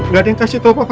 gak ada yang kasih tau papa